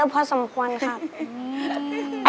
ขอบคุณค่ะ